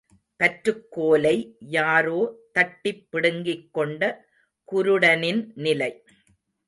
பற்றுக் கோலை யாரோ தட்டிப் பிடுங்கிக் கொண்ட குருடனின் நிலை.